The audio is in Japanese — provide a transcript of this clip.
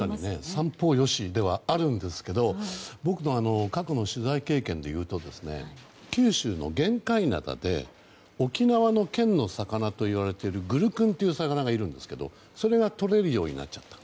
三方よしではあるんですけど僕の過去の取材経験でいうと九州の玄界灘で沖縄の県の魚といわれているグルクンという魚がいるんですがそれがとれるようになっちゃった。